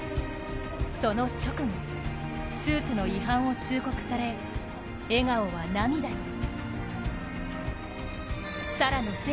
その直後、スーツの違反を通告され、笑顔は涙に。